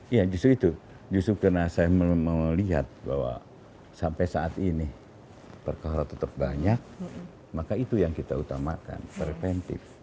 iya justru itu justru karena saya melihat bahwa sampai saat ini perkara tetap banyak maka itu yang kita utamakan preventif